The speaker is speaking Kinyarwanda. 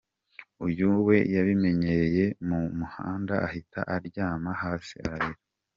Uyu we yabimenyeye mu muhanda, ahita aryama hasi ararira.